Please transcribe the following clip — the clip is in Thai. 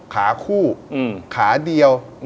ขาคู่ขาเดียว